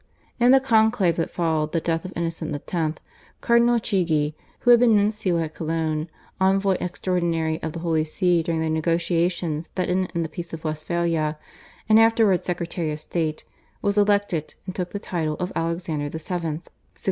In the conclave that followed the death of Innocent X., Cardinal Chigi, who had been nuncio at Cologne, envoy extraordinary of the Holy See during the negotiations that ended in the Peace of Westphalia, and afterwards Secretary of State, was elected, and took the title of Alexander VII.